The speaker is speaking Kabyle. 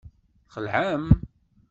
Txelɛem?